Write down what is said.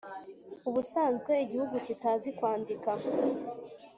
ubusanzwe igihugu kitazi kwandika,